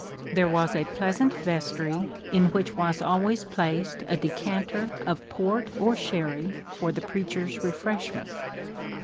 There was a pleasant vestry in which was 40 MONCURE DANIEL CONWAY always placed a decanter of port or sherry for the preacher's refreshment.